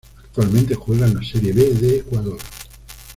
Actualmente juega en la Serie B de Ecuador.